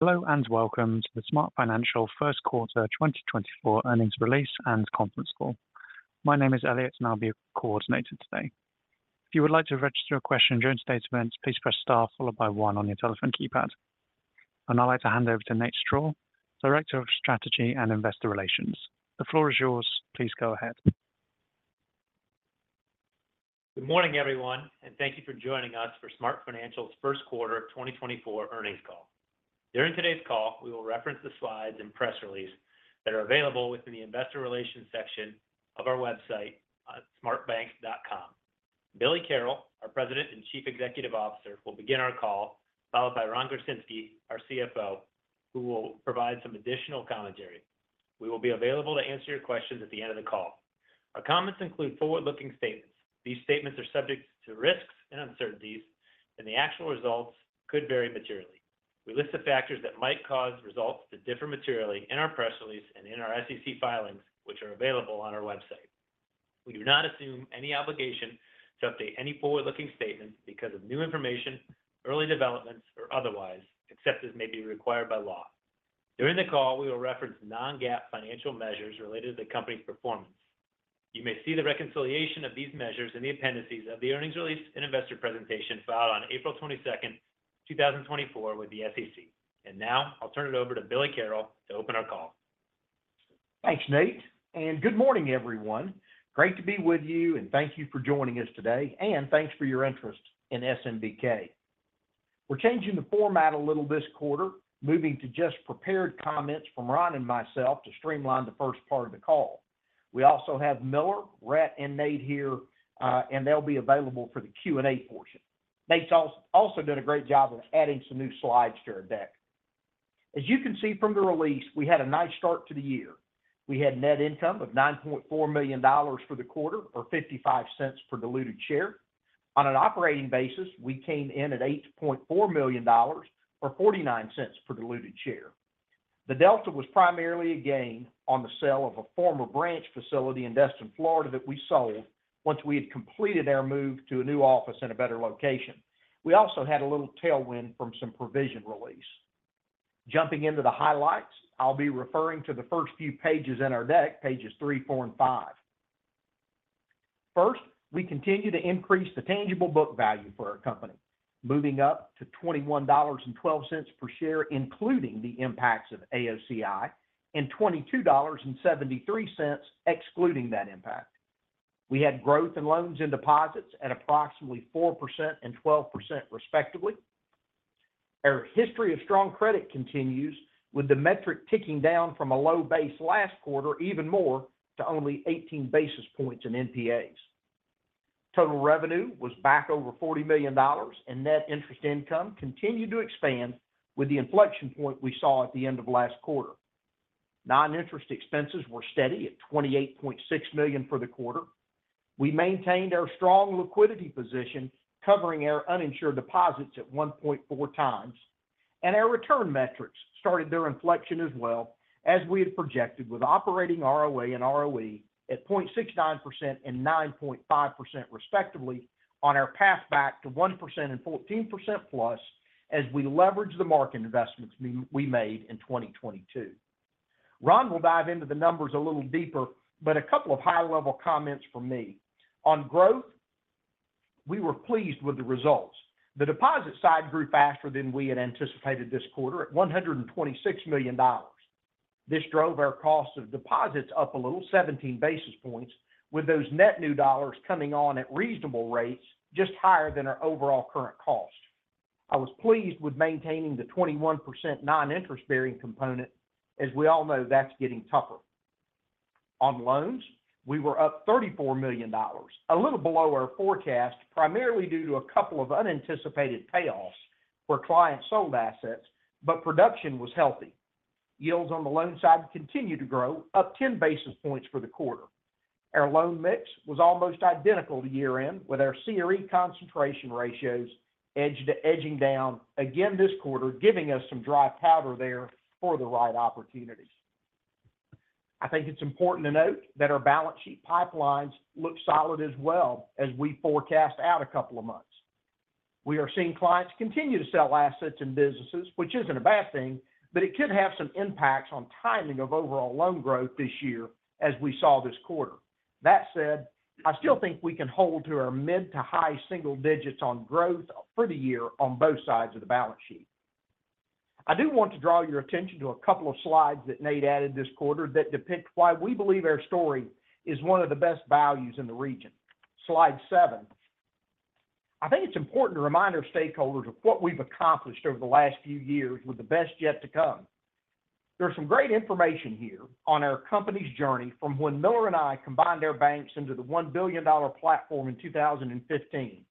Hello and welcome to the SmartFinancial first quarter 2024 earnings release and conference call. My name is Elliot, and I'll be your coordinator today. If you would like to register a question and join today's event, please press STAR followed by 1 on your telephone keypad. I'd like to hand over to Nate Strall, Director of Strategy and Investor Relations. The floor is yours. Please go ahead. Good morning, everyone, and thank you for joining us for SmartFinancial's first quarter 2024 earnings call. During today's call, we will reference the slides and press release that are available within the Investor Relations section of our website at smartbank.com. Billy Carroll, our President and Chief Executive Officer, will begin our call, followed by Ron Gorczynski, our CFO, who will provide some additional commentary. We will be available to answer your questions at the end of the call. Our comments include forward-looking statements. These statements are subject to risks and uncertainties, and the actual results could vary materially. We list the factors that might cause results to differ materially in our press release and in our SEC filings, which are available on our website. We do not assume any obligation to update any forward-looking statements because of new information, early developments, or otherwise, except as may be required by law. During the call, we will reference non-GAAP financial measures related to the company's performance. You may see the reconciliation of these measures in the appendices of the earnings release and investor presentation filed on April 22, 2024, with the SEC. Now I'll turn it over to Billy Carroll to open our call. Thanks, Nate, and good morning, everyone. Great to be with you, and thank you for joining us today, and thanks for your interest in SMBK. We're changing the format a little this quarter, moving to just prepared comments from Ron and myself to streamline the first part of the call. We also have Miller, Rhett, and Nate here, and they'll be available for the Q&A portion. Nate's also done a great job of adding some new slides to our deck. As you can see from the release, we had a nice start to the year. We had net income of $9.4 million for the quarter, or $0.55 per diluted share. On an operating basis, we came in at $8.4 million or $0.49 per diluted share. The delta was primarily a gain on the sale of a former branch facility in Destin, Florida, that we sold once we had completed our move to a new office in a better location. We also had a little tailwind from some provision release. Jumping into the highlights, I'll be referring to the first few pages in our deck, pages 3, 4, and 5. First, we continue to increase the tangible book value for our company, moving up to $21.12 per share, including the impacts of AOCI, and $22.73 excluding that impact. We had growth in loans and deposits at approximately 4% and 12%, respectively. Our history of strong credit continues, with the metric ticking down from a low base last quarter even more to only 18 basis points in NPAs. Total revenue was back over $40 million, and net interest income continued to expand with the inflection point we saw at the end of last quarter. Non-interest expenses were steady at $28.6 million for the quarter. We maintained our strong liquidity position, covering our uninsured deposits at 1.4 times. Our return metrics started their inflection as well as we had projected, with operating ROA and ROE at 0.69% and 9.5%, respectively, on our path back to 1% and 14%+ as we leveraged the market investments we made in 2022. Ron will dive into the numbers a little deeper, but a couple of high-level comments from me. On growth, we were pleased with the results. The deposit side grew faster than we had anticipated this quarter at $126 million. This drove our cost of deposits up a little, 17 basis points, with those net new dollars coming on at reasonable rates, just higher than our overall current cost. I was pleased with maintaining the 21% non-interest bearing component, as we all know that's getting tougher. On loans, we were up $34 million, a little below our forecast, primarily due to a couple of unanticipated payoffs where clients sold assets, but production was healthy. Yields on the loan side continued to grow, up 10 basis points for the quarter. Our loan mix was almost identical to year-end, with our CRE concentration ratios edging down again this quarter, giving us some dry powder there for the right opportunities. I think it's important to note that our balance sheet pipelines look solid as well as we forecast out a couple of months. We are seeing clients continue to sell assets and businesses, which isn't a bad thing, but it could have some impacts on timing of overall loan growth this year as we saw this quarter. That said, I still think we can hold to our mid- to high-single-digits on growth for the year on both sides of the balance sheet. I do want to draw your attention to a couple of slides that Nate added this quarter that depict why we believe our story is one of the best values in the region. Slide 7. I think it's important to remind our stakeholders of what we've accomplished over the last few years with the best yet to come. There's some great information here on our company's journey from when Miller and I combined our banks into the $1 billion platform in 2015,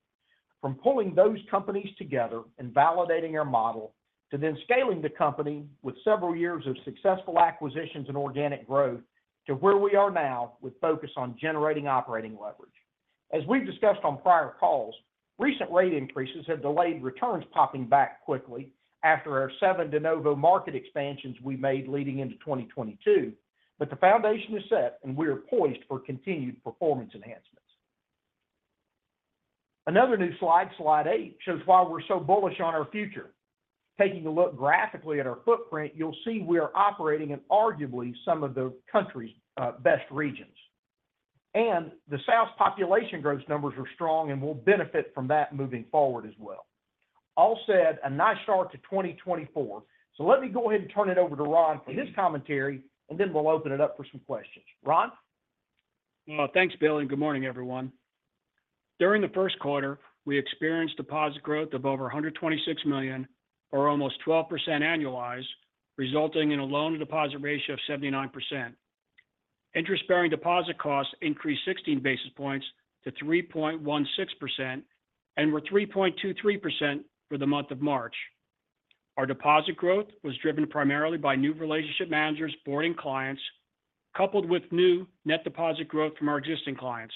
from pulling those companies together and validating our model to then scaling the company with several years of successful acquisitions and organic growth to where we are now with focus on generating operating leverage. As we've discussed on prior calls, recent rate increases have delayed returns popping back quickly after our 7 de novo market expansions we made leading into 2022, but the foundation is set, and we are poised for continued performance enhancements. Another new slide, slide 8, shows why we're so bullish on our future. Taking a look graphically at our footprint, you'll see we are operating in arguably some of the country's best regions. The South's population growth numbers are strong and will benefit from that moving forward as well. All said, a nice start to 2024. So let me go ahead and turn it over to Ron for his commentary, and then we'll open it up for some questions. Ron? Well, thanks, Bill, and good morning, everyone. During the first quarter, we experienced deposit growth of over $126 million or almost 12% annualized, resulting in a loan-to-deposit ratio of 79%. Interest-bearing deposit costs increased 16 basis points to 3.16% and were 3.23% for the month of March. Our deposit growth was driven primarily by new relationship managers, boarding clients, coupled with new net deposit growth from our existing clients.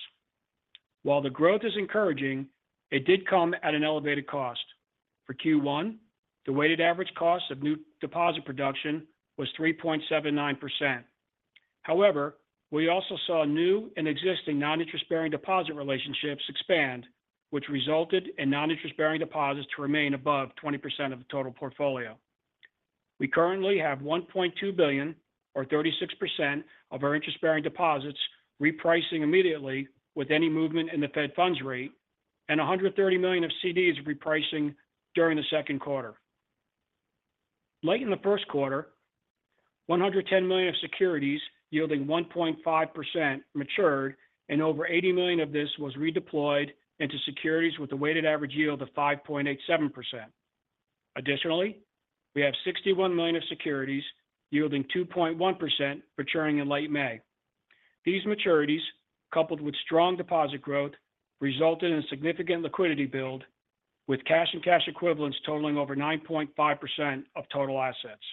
While the growth is encouraging, it did come at an elevated cost. For Q1, the weighted average cost of new deposit production was 3.79%. However, we also saw new and existing non-interest-bearing deposit relationships expand, which resulted in non-interest-bearing deposits to remain above 20% of the total portfolio. We currently have $1.2 billion or 36% of our interest-bearing deposits repricing immediately with any movement in the Fed funds rate, and $130 million of CDs repricing during the second quarter. Late in the first quarter, $110 million of securities yielding 1.5% matured, and over $80 million of this was redeployed into securities with a weighted average yield of 5.87%. Additionally, we have $61 million of securities yielding 2.1% maturing in late May. These maturities, coupled with strong deposit growth, resulted in a significant liquidity build, with cash and cash equivalents totaling over 9.5% of total assets.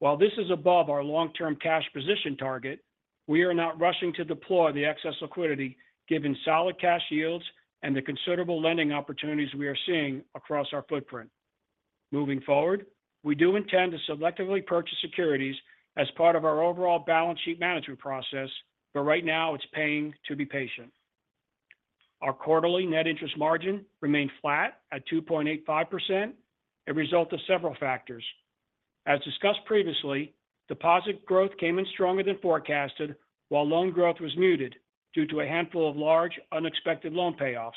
While this is above our long-term cash position target, we are not rushing to deploy the excess liquidity given solid cash yields and the considerable lending opportunities we are seeing across our footprint. Moving forward, we do intend to selectively purchase securities as part of our overall balance sheet management process, but right now it's paying to be patient. Our quarterly net interest margin remained flat at 2.85%, a result of several factors. As discussed previously, deposit growth came in stronger than forecasted while loan growth was muted due to a handful of large, unexpected loan payoffs.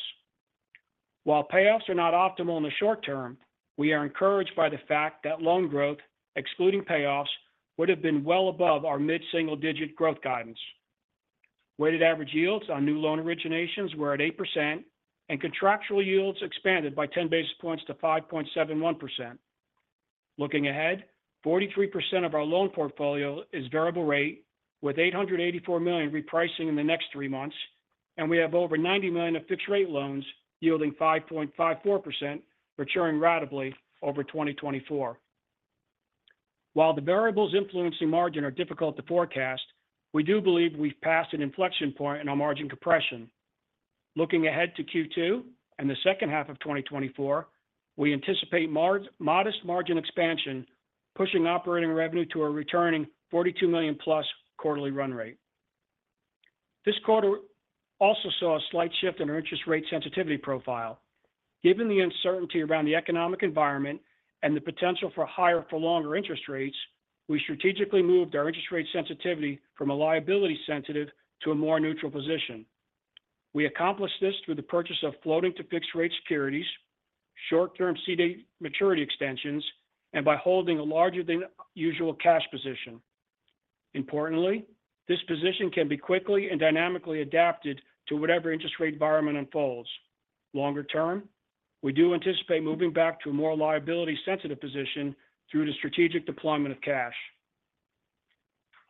While payoffs are not optimal in the short term, we are encouraged by the fact that loan growth, excluding payoffs, would have been well above our mid-single digit growth guidance. Weighted average yields on new loan originations were at 8%, and contractual yields expanded by 10 basis points to 5.71%. Looking ahead, 43% of our loan portfolio is variable rate, with $884 million repricing in the next three months, and we have over $90 million of fixed-rate loans yielding 5.54%, maturing rapidly over 2024. While the variables influencing margin are difficult to forecast, we do believe we've passed an inflection point in our margin compression. Looking ahead to Q2 and the second half of 2024, we anticipate modest margin expansion, pushing operating revenue to a returning $42 million-plus quarterly run rate. This quarter also saw a slight shift in our interest rate sensitivity profile. Given the uncertainty around the economic environment and the potential for higher for longer interest rates, we strategically moved our interest rate sensitivity from a liability-sensitive to a more neutral position. We accomplished this through the purchase of floating-to-fixed-rate securities, short-term CD maturity extensions, and by holding a larger-than-usual cash position. Importantly, this position can be quickly and dynamically adapted to whatever interest rate environment unfolds. Longer term, we do anticipate moving back to a more liability-sensitive position through the strategic deployment of cash.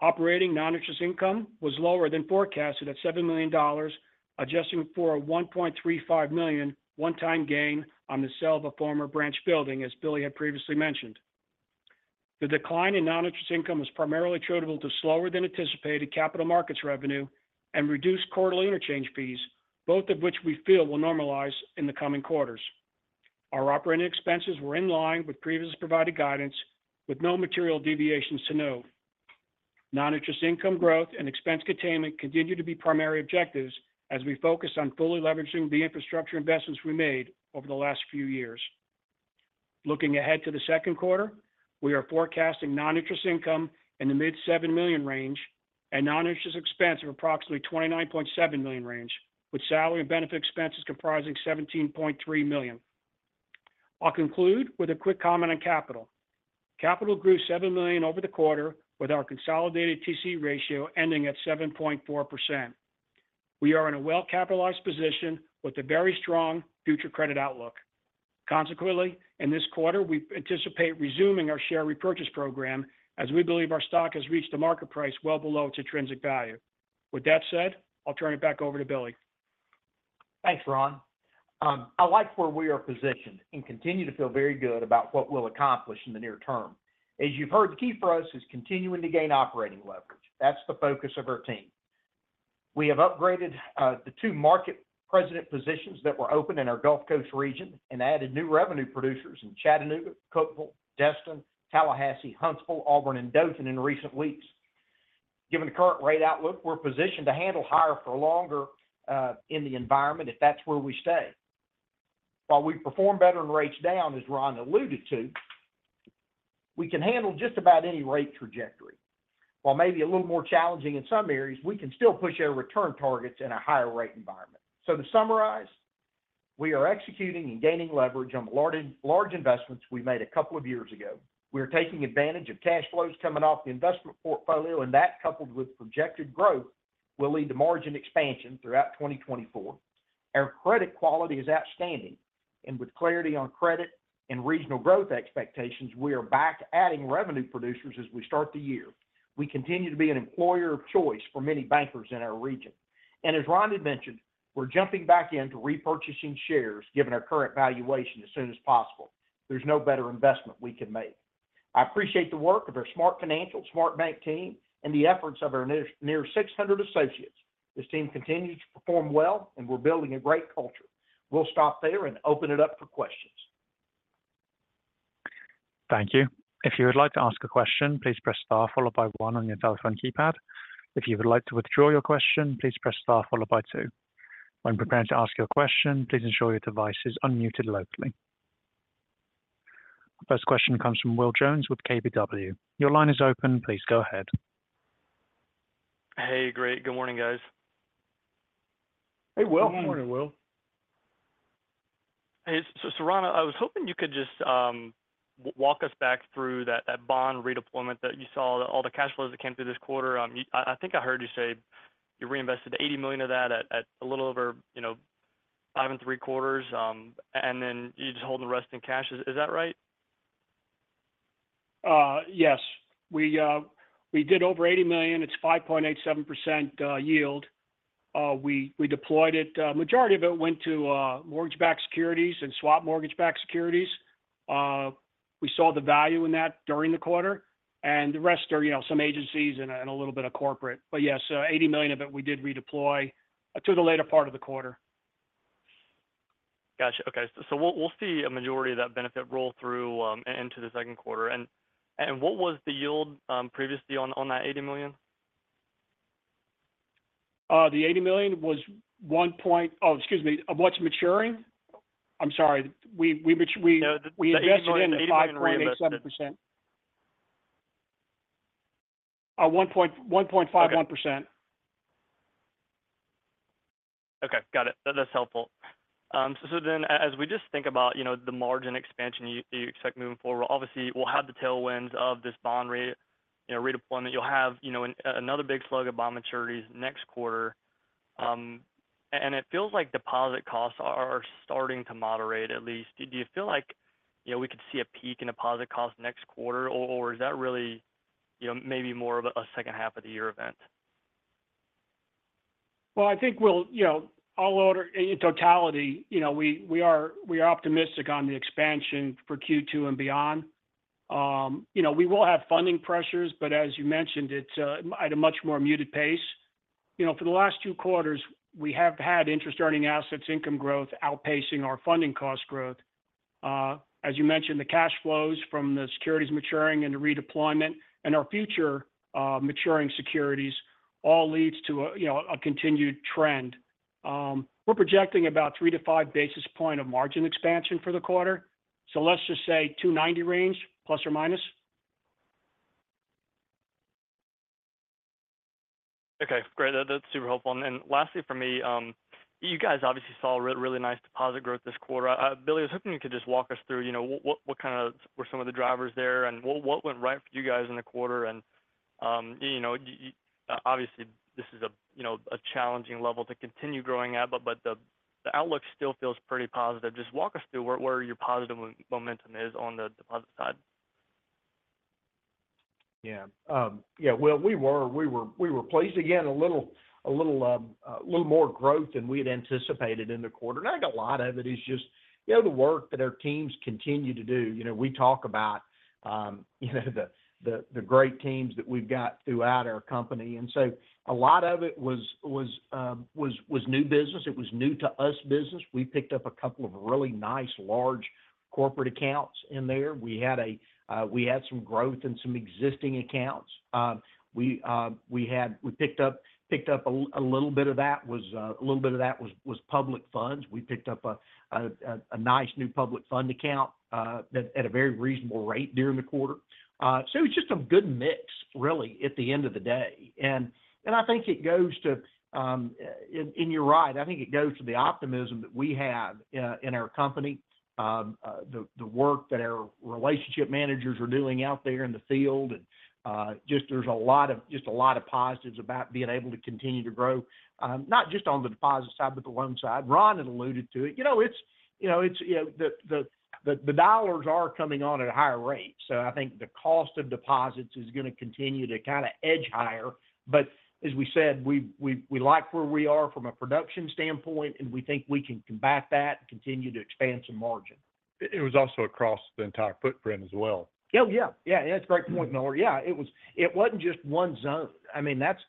Operating non-interest income was lower than forecasted at $7 million, adjusting for a $1.35 million one-time gain on the sale of a former branch building, as Billy had previously mentioned. The decline in non-interest income is primarily attributable to slower-than-anticipated capital markets revenue and reduced quarterly interchange fees, both of which we feel will normalize in the coming quarters. Our operating expenses were in line with previously provided guidance, with no material deviations to note. Non-interest income growth and expense containment continue to be primary objectives as we focus on fully leveraging the infrastructure investments we made over the last few years. Looking ahead to the second quarter, we are forecasting non-interest income in the mid-$7 million range and non-interest expense of approximately $29.7 million range, with salary and benefit expenses comprising $17.3 million. I'll conclude with a quick comment on capital. Capital grew $7 million over the quarter, with our consolidated TC ratio ending at 7.4%. We are in a well-capitalized position with a very strong future credit outlook. Consequently, in this quarter, we anticipate resuming our share repurchase program as we believe our stock has reached a market price well below its intrinsic value. With that said, I'll turn it back over to Billy. Thanks, Ron. I like where we are positioned and continue to feel very good about what we'll accomplish in the near term. As you've heard, the key for us is continuing to gain operating leverage. That's the focus of our team. We have upgraded the two market president positions that were open in our Gulf Coast region and added new revenue producers in Chattanooga, Cookeville, Destin, Tallahassee, Huntsville, Auburn, and Dothan in recent weeks. Given the current rate outlook, we're positioned to handle higher for longer in the environment if that's where we stay. While we perform better in rates down, as Ron alluded to, we can handle just about any rate trajectory. While maybe a little more challenging in some areas, we can still push our return targets in a higher rate environment. To summarize, we are executing and gaining leverage on the large investments we made a couple of years ago. We are taking advantage of cash flows coming off the investment portfolio, and that, coupled with projected growth, will lead to margin expansion throughout 2024. Our credit quality is outstanding, and with clarity on credit and regional growth expectations, we are back adding revenue producers as we start the year. We continue to be an employer of choice for many bankers in our region. As Ron had mentioned, we're jumping back into repurchasing shares given our current valuation as soon as possible. There's no better investment we can make. I appreciate the work of our SmartFinancial SmartBank team and the efforts of our near 600 associates. This team continues to perform well, and we're building a great culture. We'll stop there and open it up for questions. Thank you. If you would like to ask a question, please press Star followed by 1 on your telephone keypad. If you would like to withdraw your question, please press Star followed by 2. When preparing to ask your question, please ensure your device is unmuted locally. First question comes from Will Jones with KBW. Your line is open. Please go ahead. Hey, great. Good morning, guys. Hey, Will. Morning, Will. Hey, so Ron, I was hoping you could just walk us back through that bond redeployment that you saw, all the cash flows that came through this quarter. I think I heard you say you reinvested $80 million of that at a little over 5.75%, and then you're just holding the rest in cash. Is that right? Yes. We did over $80 million. It's 5.87% yield. We deployed it. The majority of it went to mortgage-backed securities and swap mortgage-backed securities. We saw the value in that during the quarter, and the rest are some agencies and a little bit of corporate. But yes, $80 million of it we did redeploy to the later part of the quarter. Gotcha. Okay. So we'll see a majority of that benefit roll through into the second quarter. And what was the yield previously on that $80 million? The $80 million was 1.0%, excuse me. What's maturing? I'm sorry. We invested in the 5.87%. 1.51%. Okay. Got it. That's helpful. So then as we just think about the margin expansion you expect moving forward, obviously, we'll have the tailwinds of this bond redeployment. You'll have another big slug of bond maturities next quarter. And it feels like deposit costs are starting to moderate, at least. Do you feel like we could see a peak in deposit costs next quarter, or is that really maybe more of a second half of the year event? Well, I think we'll all in totality, we are optimistic on the expansion for Q2 and beyond. We will have funding pressures, but as you mentioned, it's at a much more muted pace. For the last two quarters, we have had interest-earning assets income growth outpacing our funding cost growth. As you mentioned, the cash flows from the securities maturing and the redeployment and our future maturing securities all lead to a continued trend. We're projecting about 3-5 basis points of margin expansion for the quarter. So let's just say 290 range, plus or minus. Okay. Great. That's super helpful. Lastly for me, you guys obviously saw really nice deposit growth this quarter. Billy was hoping you could just walk us through what kind of were some of the drivers there and what went right for you guys in the quarter. Obviously, this is a challenging level to continue growing at, but the outlook still feels pretty positive. Just walk us through where your positive momentum is on the deposit side. Yeah. Yeah, well, we were. We were pleased to get a little more growth than we had anticipated in the quarter. And I think a lot of it is just the work that our teams continue to do. We talk about the great teams that we've got throughout our company. And so a lot of it was new business. It was new-to-us business. We picked up a couple of really nice, large corporate accounts in there. We had some growth in some existing accounts. We picked up a little bit of that was a little bit of that was public funds. We picked up a nice new public fund account at a very reasonable rate during the quarter. So it was just a good mix, really, at the end of the day. And I think it goes to and you're right. I think it goes to the optimism that we have in our company, the work that our relationship managers are doing out there in the field. Just there's a lot of just a lot of positives about being able to continue to grow, not just on the deposit side, but the loan side. Ron had alluded to it. It's the dollars are coming on at a higher rate. So I think the cost of deposits is going to continue to kind of edge higher. But as we said, we like where we are from a production standpoint, and we think we can combat that, continue to expand some margin. It was also across the entire footprint as well. Oh, yeah. Yeah. Yeah. It's a great point, Miller. Yeah. It wasn't just one zone. I mean, that's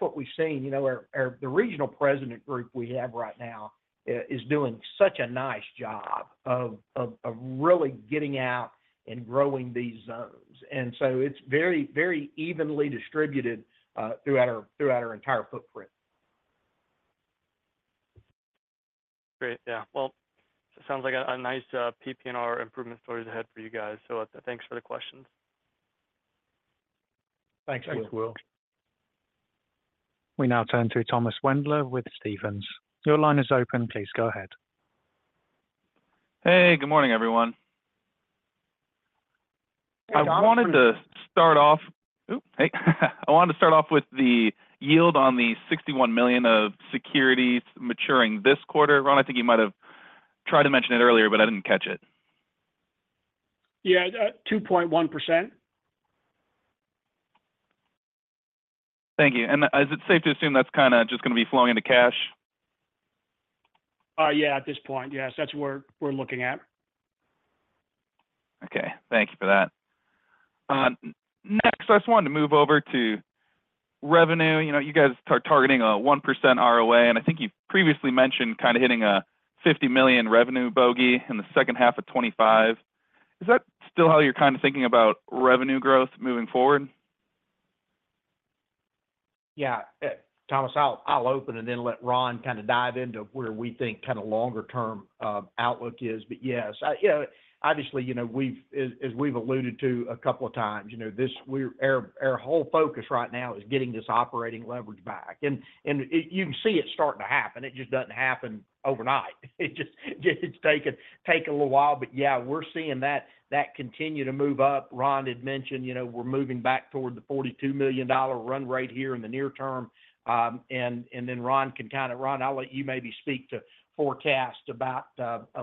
what we've seen. The regional president group we have right now is doing such a nice job of really getting out and growing these zones. And so it's very, very evenly distributed throughout our entire footprint. Great. Yeah. Well, sounds like a nice PPNR improvement story ahead for you guys. So thanks for the questions. Thanks, Will. Thanks, Will. We now turn to Thomas Wendler with Stephens. Your line is open. Please go ahead. Hey, good morning, everyone. I wanted to start off with the yield on the $61 million of securities maturing this quarter. Ron, I think you might have tried to mention it earlier, but I didn't catch it. Yeah. 2.1%. Thank you. Is it safe to assume that's kind of just going to be flowing into cash? Yeah, at this point. Yes. That's what we're looking at. Okay. Thank you for that. Next, I just wanted to move over to revenue. You guys are targeting a 1% ROA, and I think you've previously mentioned kind of hitting a $50 million revenue bogey in the second half of 2025. Is that still how you're kind of thinking about revenue growth moving forward? Yeah. Thomas, I'll open and then let Ron kind of dive into where we think kind of longer-term outlook is. But yes, obviously, as we've alluded to a couple of times, our whole focus right now is getting this operating leverage back. And you can see it starting to happen. It just doesn't happen overnight. It's taking a little while. But yeah, we're seeing that continue to move up. Ron had mentioned we're moving back toward the $42 million run rate here in the near term. And then Ron can kind of Ron, I'll let you maybe speak to forecast about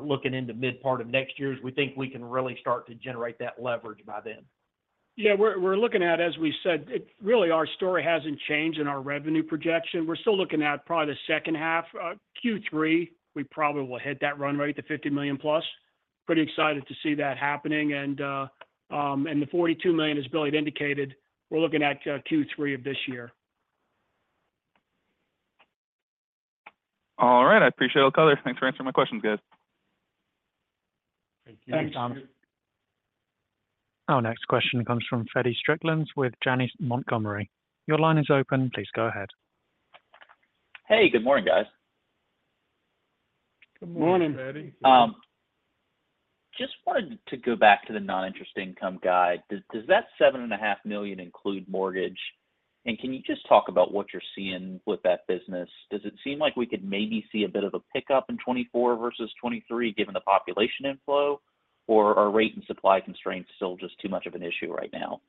looking into mid-part of next year as we think we can really start to generate that leverage by then. Yeah. We're looking at, as we said, really, our story hasn't changed in our revenue projection. We're still looking at probably the second half. Q3, we probably will hit that run rate, the $50 million-plus. Pretty excited to see that happening. And the $42 million, as Billy had indicated, we're looking at Q3 of this year. All right. I appreciate it, the color. Thanks for answering my questions, guys. Thank you. Thanks, Thomas. Our next question comes from Feddie Strickland with Janney Montgomery Scott. Your line is open. Please go ahead. Hey, good morning, guys. Good morning, Feddie. Just wanted to go back to the non-interest income guide. Does that $7.5 million include mortgage? And can you just talk about what you're seeing with that business? Does it seem like we could maybe see a bit of a pickup in 2024 versus 2023 given the population inflow, or are rate and supply constraints still just too much of an issue right now?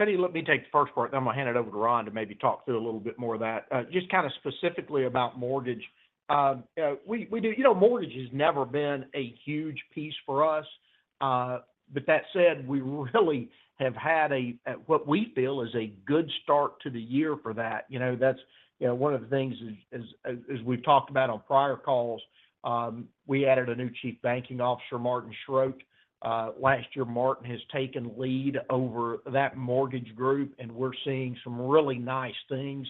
Feddie, let me take the first part, then I'm going to hand it over to Ron to maybe talk through a little bit more of that, just kind of specifically about mortgage. We do mortgage has never been a huge piece for us. But that said, we really have had what we feel is a good start to the year for that. That's one of the things, as we've talked about on prior calls, we added a new Chief Banking Officer, Martin Schrodt. Last year, Martin has taken lead over that mortgage group, and we're seeing some really nice things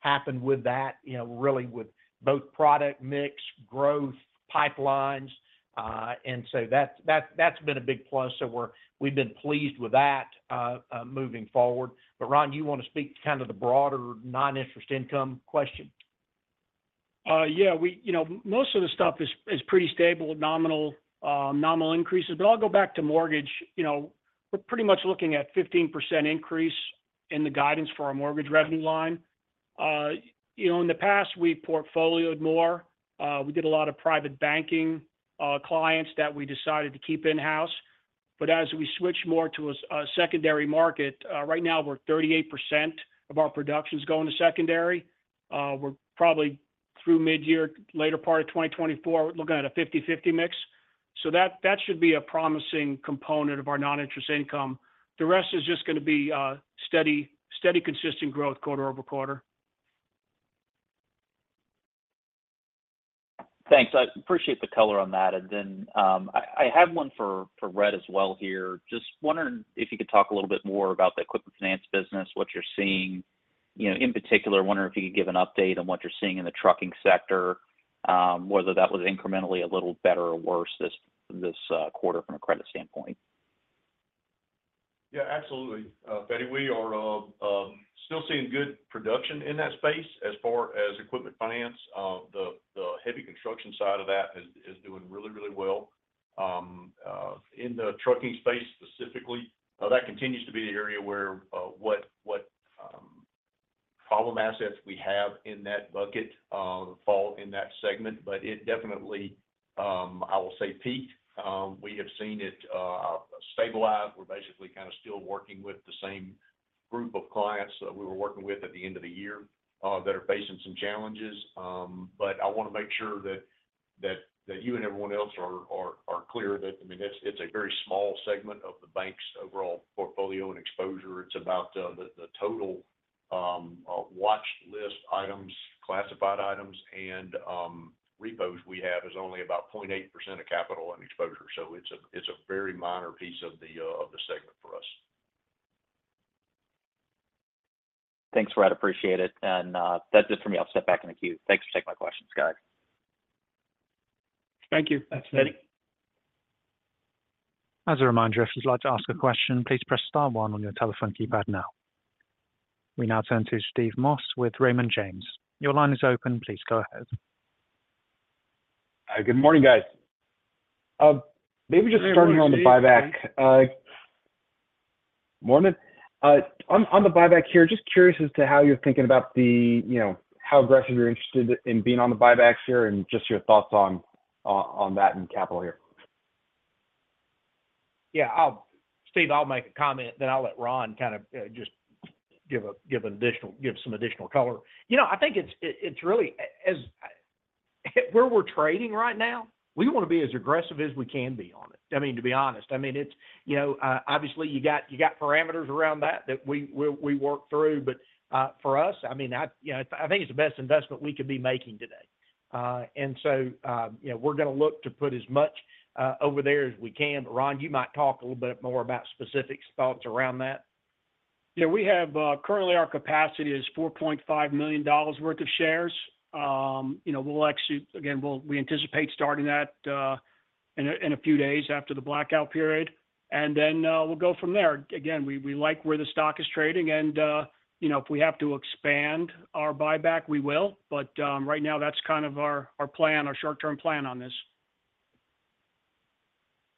happen with that, really, with both product mix, growth, pipelines. And so that's been a big plus. So we've been pleased with that moving forward. But Ron, you want to speak to kind of the broader non-interest income question? Yeah. Most of the stuff is pretty stable, nominal increases. But I'll go back to mortgage. We're pretty much looking at 15% increase in the guidance for our mortgage revenue line. In the past, we portfolioed more. We did a lot of private banking clients that we decided to keep in-house. But as we switch more to a secondary market, right now, we're 38% of our production is going to secondary. We're probably through mid-year, later part of 2024, looking at a 50/50 mix. So that should be a promising component of our non-interest income. The rest is just going to be steady, consistent growth quarter-over-quarter. Thanks. I appreciate the color on that. And then I have one for Rhett as well here. Just wondering if you could talk a little bit more about the equipment finance business, what you're seeing? In particular, wondering if you could give an update on what you're seeing in the trucking sector, whether that was incrementally a little better or worse this quarter from a credit standpoint? Yeah, absolutely, Feddie. We are still seeing good production in that space as far as equipment finance. The heavy construction side of that is doing really, really well. In the trucking space specifically, that continues to be the area where what problem assets we have in that bucket fall in that segment. But it definitely, I will say, peaked. We have seen it stabilize. We're basically kind of still working with the same group of clients that we were working with at the end of the year that are facing some challenges. But I want to make sure that you and everyone else are clear that, I mean, it's a very small segment of the bank's overall portfolio and exposure. It's about the total watch list items, classified items, and repos we have is only about 0.8% of capital and exposure. It's a very minor piece of the segment for us. Thanks, Rhett. Appreciate it. That's it from me. I'll step back in the queue. Thanks for taking my questions, guys. Thank you. That's it. Feddie? As a reminder, if you'd like to ask a question, please press star one on your telephone keypad now. We now turn to Steve Moss with Raymond James. Your line is open. Please go ahead. Good morning, guys. Maybe just starting here on the buyback. Morning. On the buyback here, just curious as to how you're thinking about the how aggressive you're interested in being on the buybacks here and just your thoughts on that and capital here. Yeah. Steve, I'll make a comment, then I'll let Ron kind of just give some additional color. I think it's really where we're trading right now, we want to be as aggressive as we can be on it. I mean, to be honest, I mean, obviously, you got parameters around that that we work through. But for us, I mean, I think it's the best investment we could be making today. And so we're going to look to put as much over there as we can. But Ron, you might talk a little bit more about specific thoughts around that. Yeah. Currently, our capacity is $4.5 million worth of shares. Again, we anticipate starting that in a few days after the blackout period. Then we'll go from there. Again, we like where the stock is trading. If we have to expand our buyback, we will. But right now, that's kind of our plan, our short-term plan on this.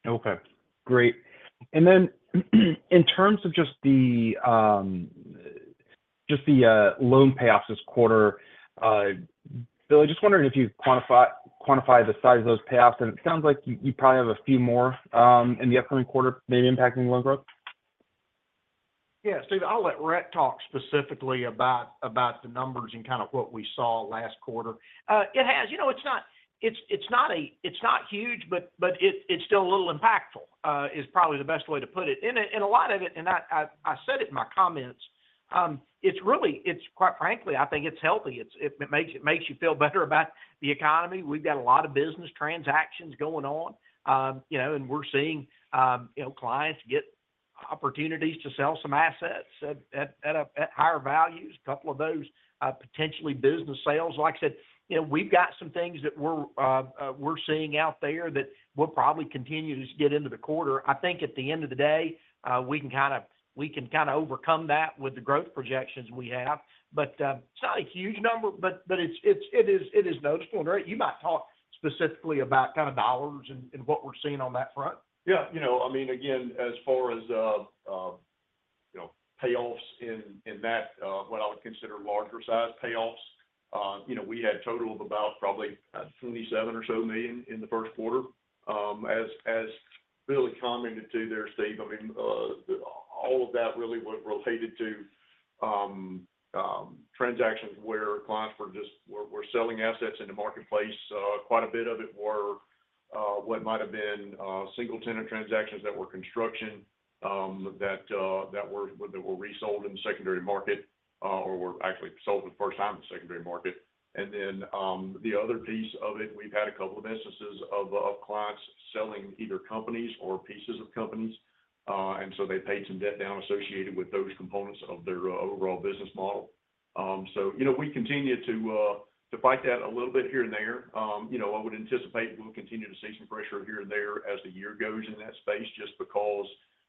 Okay. Great. Then, in terms of just the loan payoffs this quarter, Billy, just wondering if you quantify the size of those payoffs? It sounds like you probably have a few more in the upcoming quarter, maybe impacting loan growth. Yeah. Steve, I'll let Rhett talk specifically about the numbers and kind of what we saw last quarter. It has. It's not huge, but it's still a little impactful is probably the best way to put it. And a lot of it, and I said it in my comments, quite frankly, I think it's healthy. It makes you feel better about the economy. We've got a lot of business transactions going on. And we're seeing clients get opportunities to sell some assets at higher values, a couple of those potentially business sales. Like I said, we've got some things that we're seeing out there that we'll probably continue to get into the quarter. I think at the end of the day, we can kind of we can kind of overcome that with the growth projections we have. But it's not a huge number, but it is noticeable. Rhett, you might talk specifically about kind of dollars and what we're seeing on that front. Yeah. I mean, again, as far as payoffs in that, what I would consider larger-sized payoffs, we had a total of about probably $27 million in the first quarter. As Billy commented to there, Steve, I mean, all of that really was related to transactions where clients were just selling assets into marketplace. Quite a bit of it were what might have been single-tenant transactions that were construction that were resold in the secondary market or were actually sold for the first time in the secondary market. And then the other piece of it, we've had a couple of instances of clients selling either companies or pieces of companies. And so they paid some debt down associated with those components of their overall business model. So we continue to fight that a little bit here and there. I would anticipate we'll continue to see some pressure here and there as the year goes in that space just because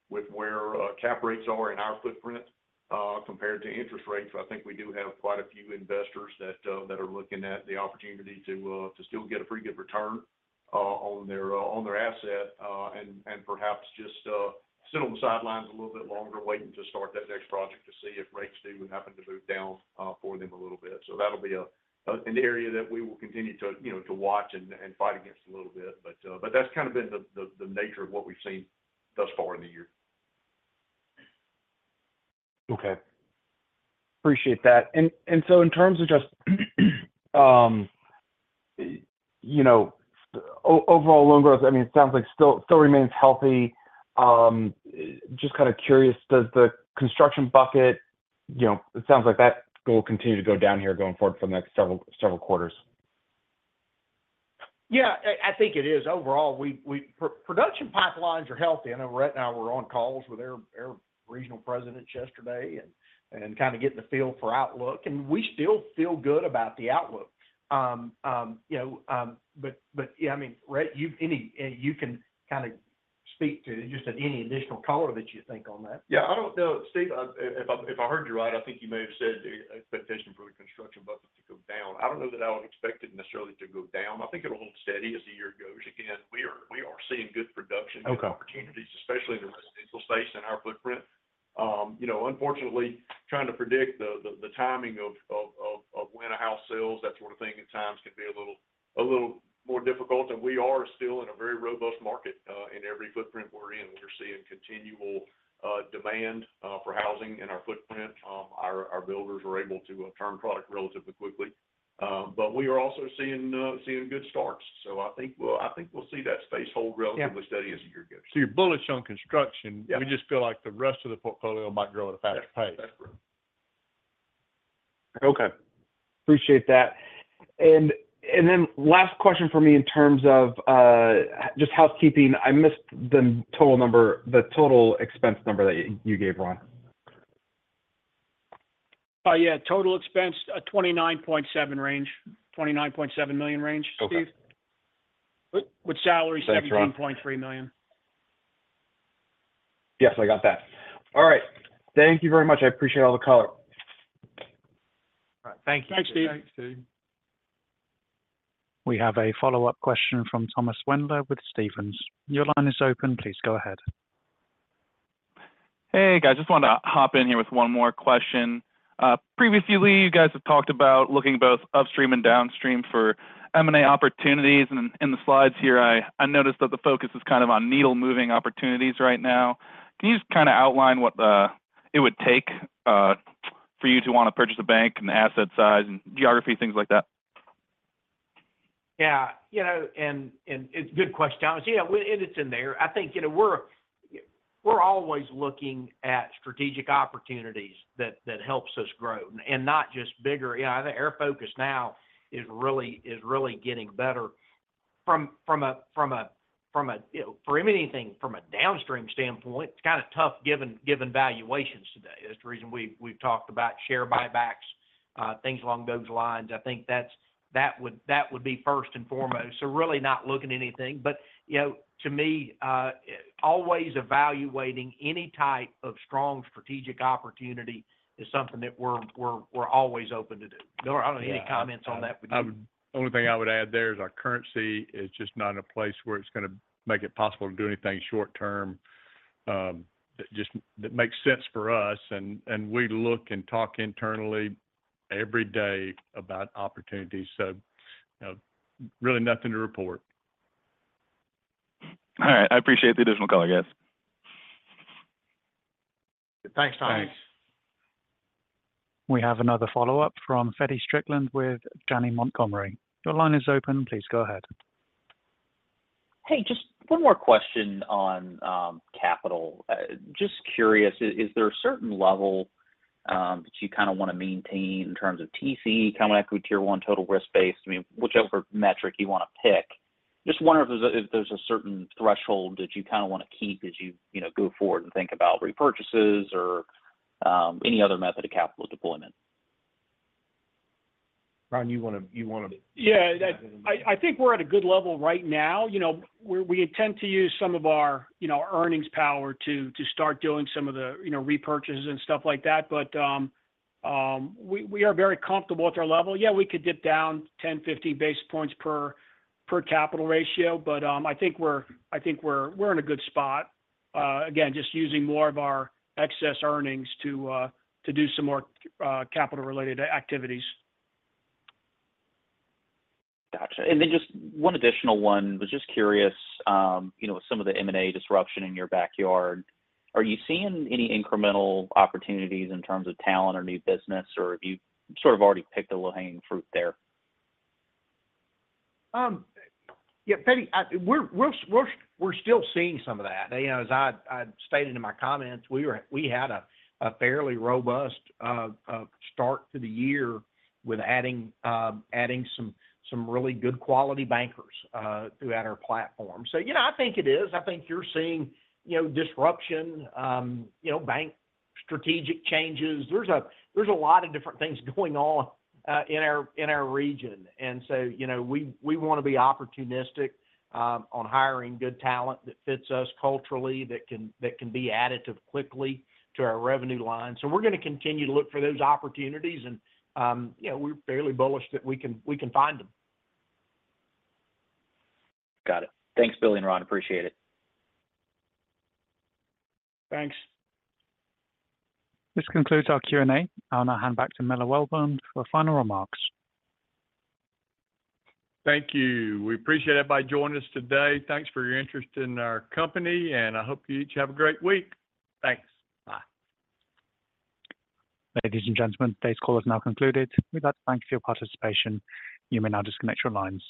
with where cap rates are in our footprint compared to interest rates, I think we do have quite a few investors that are looking at the opportunity to still get a pretty good return on their asset and perhaps just sit on the sidelines a little bit longer, waiting to start that next project to see if rates do happen to move down for them a little bit. So that'll be an area that we will continue to watch and fight against a little bit. But that's kind of been the nature of what we've seen thus far in the year. Okay. Appreciate that. And so in terms of just overall loan growth, I mean, it sounds like still remains healthy. Just kind of curious, does the construction bucket it sounds like that will continue to go down here going forward for the next several quarters? Yeah. I think it is. Overall, production pipelines are healthy. I know Rhett and I were on calls with our regional presidents yesterday and kind of getting the feel for outlook. And we still feel good about the outlook. But yeah, I mean, Rhett, you can kind of speak to just any additional color that you think on that. Yeah. I don't know, Steve, if I heard you right. I think you may have said the expectation for the construction bucket to go down. I don't know that I would expect it necessarily to go down. I think it'll hold steady as the year goes. Again, we are seeing good production opportunities, especially in the residential space in our footprint. Unfortunately, trying to predict the timing of when a house sells, that sort of thing at times can be a little more difficult. And we are still in a very robust market in every footprint we're in. We're seeing continual demand for housing in our footprint. Our builders are able to turn product relatively quickly. But we are also seeing good starts. So I think we'll see that space hold relatively steady as the year goes. So you're bullish on construction. We just feel like the rest of the portfolio might grow at a faster pace. Yes. That's correct. Okay. Appreciate that. And then last question for me in terms of just housekeeping. I missed the total number, the total expense number that you gave, Ron. Yeah. Total expense, $29.7 million range, $29.7 million range, Steve, with salaries, $17.3 million. That's correct. Yes, I got that. All right. Thank you very much. I appreciate all the color. All right. Thank you. Thanks, Steve. Thanks, Steve. We have a follow-up question from Thomas Wendler with Stephens. Your line is open. Please go ahead. Hey, guys. Just wanted to hop in here with one more question. Previously, you guys have talked about looking both upstream and downstream for M&A opportunities. In the slides here, I noticed that the focus is kind of on needle-moving opportunities right now. Can you just kind of outline what it would take for you to want to purchase a bank and asset size and geography, things like that? Yeah. And it's a good question, Thomas. Yeah, and it's in there. I think we're always looking at strategic opportunities that helps us grow and not just bigger. I think our focus now is really getting better. From a for anything from a downstream standpoint, it's kind of tough given valuations today. That's the reason we've talked about share buybacks, things along those lines. I think that would be first and foremost. So really not looking at anything. But to me, always evaluating any type of strong strategic opportunity is something that we're always open to do. Bill, I don't have any comments on that with you. The only thing I would add there is our currency is just not in a place where it's going to make it possible to do anything short-term that makes sense for us. And we look and talk internally every day about opportunities. So really nothing to report. All right. I appreciate the additional color, guys. Thanks, Thomas. We have another follow-up from Feddie Strickland with Janney Montgomery Scott. Your line is open. Please go ahead. Hey, just one more question on capital. Just curious, is there a certain level that you kind of want to maintain in terms of TC, Common Equity Tier 1, total risk-based? I mean, whichever metric you want to pick. Just wondering if there's a certain threshold that you kind of want to keep as you go forward and think about repurchases or any other method of capital deployment. Ron, you want to. Yeah. I think we're at a good level right now. We intend to use some of our earnings power to start doing some of the repurchases and stuff like that. But we are very comfortable with our level. Yeah, we could dip down 10-15 basis points per capital ratio. But I think we're in a good spot, again, just using more of our excess earnings to do some more capital-related activities. Gotcha. And then just one additional one. I was just curious with some of the M&A disruption in your backyard, are you seeing any incremental opportunities in terms of talent or new business, or have you sort of already picked a little hanging fruit there? Yeah, Feddie, we're still seeing some of that. As I stated in my comments, we had a fairly robust start to the year with adding some really good quality bankers throughout our platform. So I think it is. I think you're seeing disruption, bank strategic changes. There's a lot of different things going on in our region. And so we want to be opportunistic on hiring good talent that fits us culturally, that can be additive quickly to our revenue line. So we're going to continue to look for those opportunities. And we're fairly bullish that we can find them. Got it. Thanks, Billy and Ron. Appreciate it. Thanks. This concludes our Q&A. I'll now hand back to Miller Welborn for final remarks. Thank you. We appreciate everybody joining us today. Thanks for your interest in our company. I hope you each have a great week. Thanks. Bye. Ladies and gentlemen, today's call is now concluded. With that, thank you for your participation. You may now disconnect your lines.